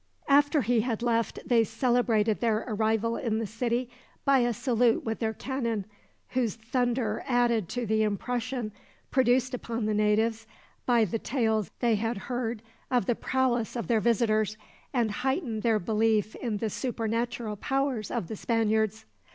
After he had left they celebrated their arrival in the city by a salute with their cannon, whose thunder added to the impression produced upon the natives by the tales they had heard of the prowess of their visitors, and heightened their belief in the supernatural powers of the Spaniards.